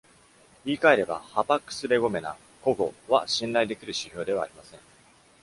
言い換えれば、「ハパックス・レゴメナ(孤語)」は信頼できる指標ではありません。